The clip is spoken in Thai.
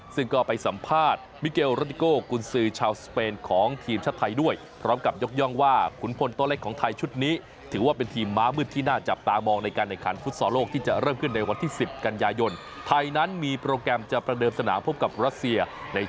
ซึ่งก็ไปสัมภาษณ์มิเกลรดิโกคุณซื่อชาวสเปนของทีมชาติไทยด้วย